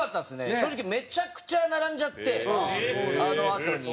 正直、めちゃくちゃ並んじゃってあのあとに。